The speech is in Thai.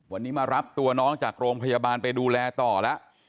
วันนี้มารับตัวน้องจากโรงพยาบาลไปดูแลต่อแล้ว